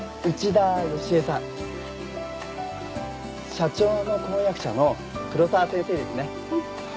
社長の婚約者の黒沢先生ですね。